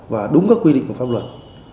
và đúng các quy định của pháp luật